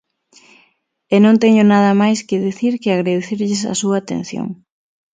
E non teño nada máis que dicir que agradecerlles a súa atención.